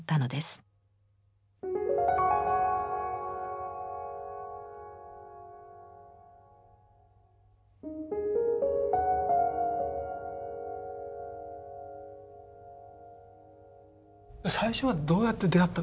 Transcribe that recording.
最初はどうやって出会ったんですか？